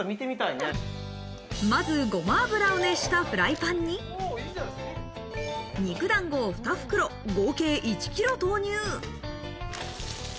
まず、ごま油を熱したフライパンに、肉団子２袋、合計１キロ投入。